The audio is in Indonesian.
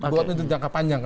buat ini untuk jangka panjang